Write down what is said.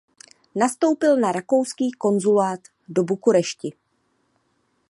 Nastoupil na rakouský konzulát do Bukurešti.